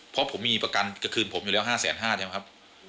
เพราะผมมีประกันคืนผมอยู่แล้ว๕๕๐๐ใช่ไหมครับ